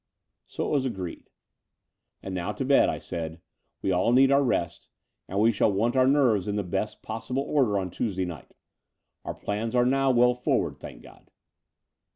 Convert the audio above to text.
So it was agreed. "And now to bed," I said. "We all need our rest; and we shall want our nerves in the best possible order on Tuesday night. Our plans are now well forward, thank God."